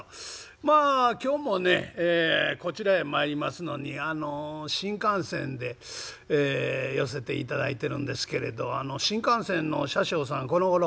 まあ今日もねこちらへ参りますのにあの新幹線で寄せていただいてるんですけれど新幹線の車掌さんこのごろ